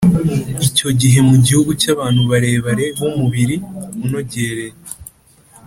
Icyo gihe, mu gihugu cy’abantu barebare b’umubiri unogereye,